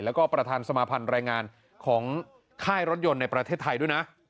แล้วก็ประธานสมาภัณฑ์แรงงานของค่ายรถยนต์ในประเทศไทยด้วยนะ